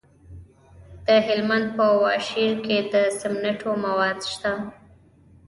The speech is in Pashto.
د هلمند په واشیر کې د سمنټو مواد شته.